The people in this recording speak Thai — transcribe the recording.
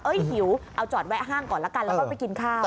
เฮ้ยหิวเอาจรไหว้ห้างก่อนแล้วก็ไปกินข้าว